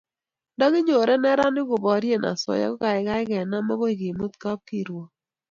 nda kinyor neranik koporie asoya ko kaikai kenam akoi kemut kapkirwog